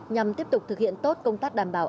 nhằm tiếp tục thực hiện tốt công tác đảm bảo